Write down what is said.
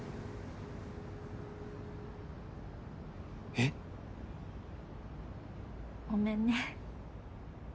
えっ？ごめんね。